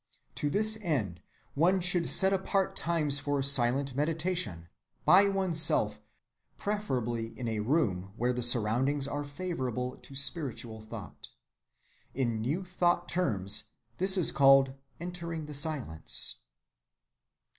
To this end, one should set apart times for silent meditation, by one's self, preferably in a room where the surroundings are favorable to spiritual thought. In New Thought terms, this is called 'entering the silence.